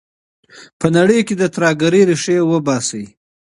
په نړۍ کي د ترهګرۍ ریښې وباسئ.